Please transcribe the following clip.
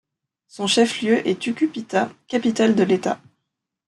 Son chef-lieu est Tucupita, capitale de l'État.